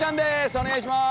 お願いします。